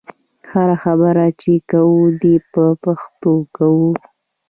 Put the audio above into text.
هره خبره چې کوو دې په پښتو کوو.